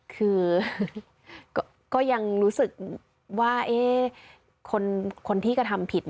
คือก็ยังรู้สึกว่าคนที่กระทำผิด